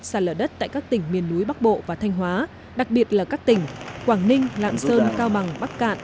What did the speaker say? sạt lở đất tại các tỉnh miền núi bắc bộ và thanh hóa đặc biệt là các tỉnh quảng ninh lạng sơn cao bằng bắc cạn